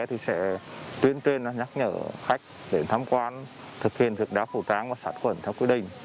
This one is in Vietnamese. thì sẽ tuyên truyền nhắc nhở khách đến tham quan thực hiện việc đá phổ tráng và sát khuẩn theo quy định